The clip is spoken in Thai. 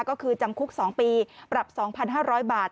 ก็คือจำคุก๒ปีปรับ๒๕๐๐บาท